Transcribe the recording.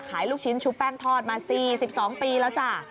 ลูกชิ้นชุบแป้งทอดมา๔๒ปีแล้วจ้ะ